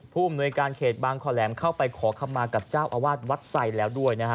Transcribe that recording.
ผู้อำนวยการเขตบางคอแหลมเข้าไปขอคำมากับเจ้าอาวาสวัดไสแล้วด้วยนะฮะ